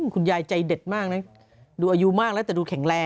คุณยายใจเด็ดมากนะดูอายุมากแล้วแต่ดูแข็งแรง